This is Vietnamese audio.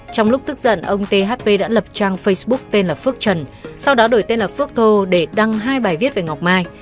trong lúc tức giận ông thp đã lập trang facebook tên là phước trần sau đó đổi tên là phước thô để đăng hai bài viết về ngọc mai